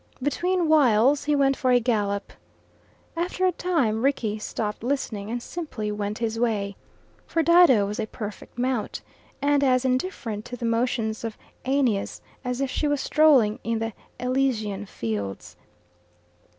Between whiles he went for a gallop. After a time Rickie stopped listening, and simply went his way. For Dido was a perfect mount, and as indifferent to the motions of Aeneas as if she was strolling in the Elysian fields.